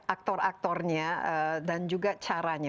aktor aktornya dan juga caranya